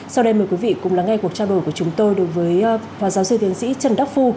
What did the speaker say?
sau đây mời quý vị cùng lắng nghe cuộc trao đổi của chúng tôi đối với phó giáo sư tiến sĩ trần đắc phu